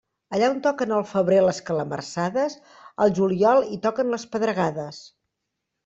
Allà on toquen al febrer les calamarsades, al juliol hi toquen les pedregades.